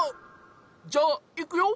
じゃあいくよ。